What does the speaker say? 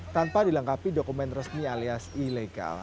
tanpa dilengkapi dokumen resmi alias ilegal